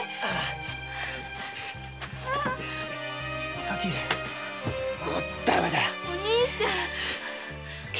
お咲もうダメだ。